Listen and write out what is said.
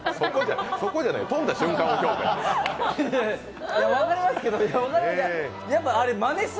そこじゃない、跳んだ瞬間を評価して。